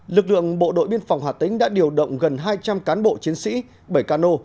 lực lượng bộ đội biên phòng hà tĩnh đã điều động gần hai trăm linh cán bộ chiến sĩ bảy cano